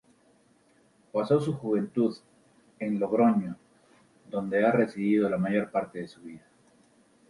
Pasó su juventud en Logroño, donde ha residido la mayor parte de su vida.